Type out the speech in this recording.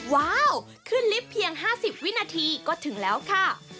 ว้าวขึ้นลิฟต์เพียง๕๐วินาทีก็ถึงแล้วค่ะ